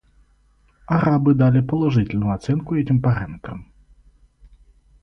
Арабы дали положительную оценку этим параметрам.